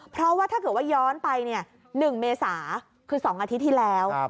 เพราะว่าถ้าเกิดว่าย้อนไป๑เมษาคือ๒อาทิตย์ที่แล้ว